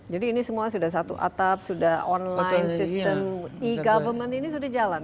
jadi ini semua sudah satu atap sudah online sistem e government ini sudah jalan